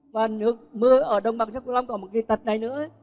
và nước mưa ở đông an sư cửu long còn một cái tật này nữa